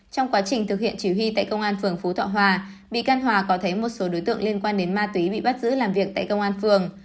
trong quá trình thực hiện chỉ huy tại công an phường phú thọ hòa bị can hòa có thấy một số đối tượng liên quan đến ma túy bị bắt giữ làm việc tại công an phường